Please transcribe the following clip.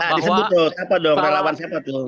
ya disebut tuh siapa dong relawan siapa tuh